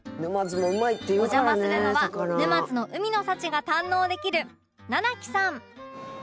お邪魔するのは沼津の海の幸が堪能できるなな輝さん